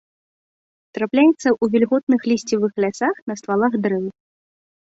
Трапляецца ў вільготных лісцевых лясах на ствалах дрэў.